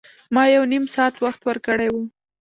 ما یو نیم ساعت وخت ورکړی و.